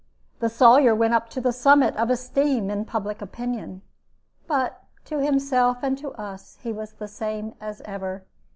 The Sawyer went up to the summit of esteem in public opinion; but to himself and to us he was the same as ever.